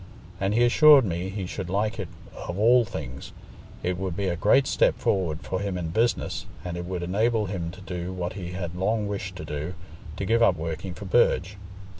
And he assured me he should like it of all things—it would be a great step forward for him in business, and it would enable him to do what he had long wished to do, to give up working for Burge.